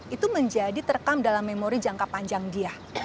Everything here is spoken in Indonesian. itu menjadi terekam dalam memori jangka panjang dia